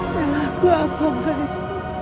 masalah aku apa mas